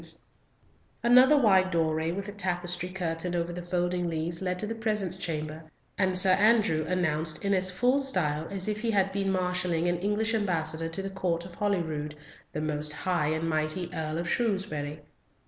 Another wide doorway with a tapestry curtain over the folding leaves led to the presence chamber, and Sir Andrew announced in as full style as if he had been marshalling an English ambassador to the Court of Holyrood, the most high and mighty Earl of Shrewsbury.